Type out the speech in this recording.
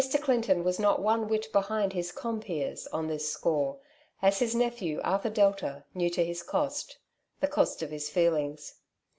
Clinton was not one whit behind his com peers on this score, as his nephew Arthur Delta knew to his cost — the cost of his feelings.